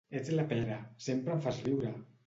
Ets la pera, sempre em fas riure!